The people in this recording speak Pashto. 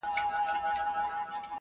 تلي مي سوځي په غرمو ولاړه یمه؛